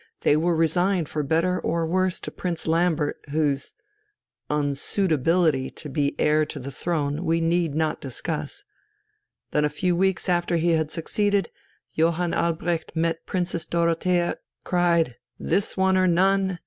They were resigned for better or worse to Prince Lambert, whose ... unsuitability to be heir to the throne we need not discuss. Then, a few weeks after he had succeeded, Johann Albrecht met Princess Dorothea, cried, "This one or none!"